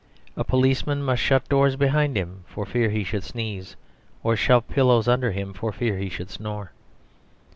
A policeman must shut doors behind him for fear he should sneeze, or shove pillows under him for fear he should snore.